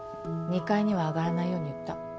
２階には上がらないように言った。